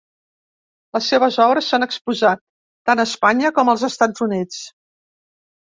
Les seves obres s'han exposat tant a Espanya com als Estats Units.